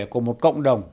của một cộng đồng